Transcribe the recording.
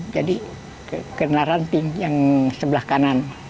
jadi kenalan ranting yang sebelah kanan